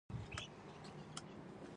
او څه ناخوښ دي په اړه پوښتنې ترې وکړئ،